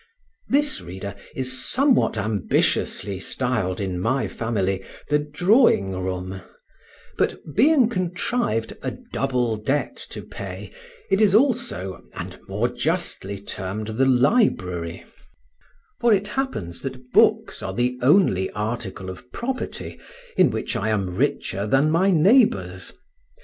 This, reader, is somewhat ambitiously styled in my family the drawing room; but being contrived "a double debt to pay," it is also, and more justly, termed the library, for it happens that books are the only article of property in which I am richer than my neighbours.